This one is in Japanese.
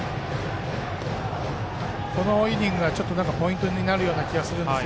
このイニングがポイントになる気がするんです。